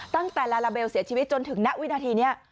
ตั้งแต่ลาลาเบลเสียชีวิตจนถึงณวินาทีนี้